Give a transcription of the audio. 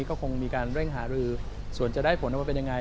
ก็คงมีการเร่งหารือส่วนจะได้ผลออกมาเป็นยังไง